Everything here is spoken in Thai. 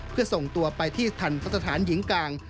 เพื่อส่งตัวไปที่ทันทสถานหญิงกลาง